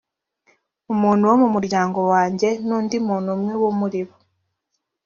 umuntu wo mu muryango wanjye n undi muntu umwe wo muri bo